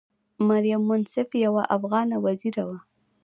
مریم منصف یوه افغانه وزیره وه.